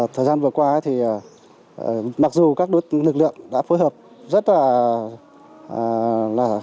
thời gian vừa qua thì mặc dù các lực lượng đã phối hợp rất là